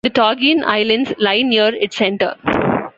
The Togian Islands lie near its center.